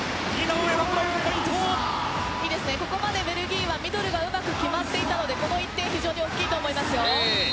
ここまでベルギーはミドルがうまく決まっていたのでこの１点非常に大きいと思います。